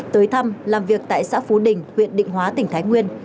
tới thăm làm việc tại xã phú đình huyện định hóa tỉnh thái nguyên